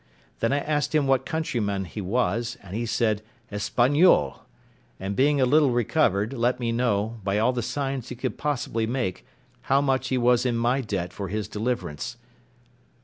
Then I asked him what countryman he was: and he said, Espagniole; and being a little recovered, let me know, by all the signs he could possibly make, how much he was in my debt for his deliverance.